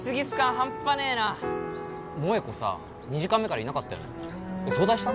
ハンパねえな萌子さ２時間目からいなかったよね早退した？